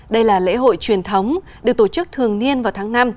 đây là lễ hội truyền thống được tổ chức thường niên vào tháng năm